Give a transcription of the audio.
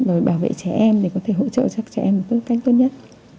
rồi bảo vệ trẻ em để có thể hỗ trợ cho trẻ em một cách tốt nhất